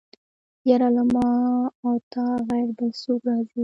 يره ما او تانه غير بل څوک راځي.